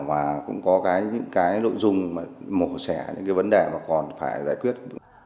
và cũng có những nội dung mổ sẻ những vấn đề mà còn phải giải quyết